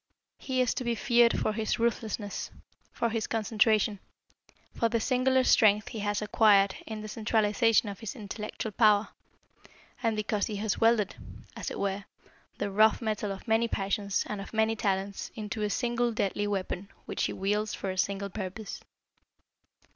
He is to be feared for his ruthlessness, for his concentration, for the singular strength he has acquired in the centralization of his intellectual power, and because he has welded, as it were, the rough metal of many passions and of many talents into a single deadly weapon which he wields for a single purpose.